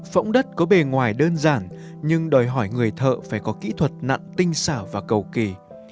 phẫu đất có bề ngoài đơn giản nhưng đòi hỏi người thợ phải có kỹ thuật nặng tinh xảo và cầu kỳ